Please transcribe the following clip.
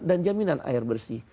dan jaminan air bersih